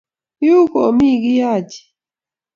Yu komii kiy Haji.